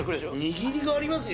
握りがありますよ